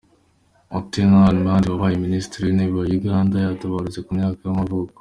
Otema Allimadi, wabaye minisitiri w’intebe wa Uganda yaratabarutse, ku myaka y’amavuko.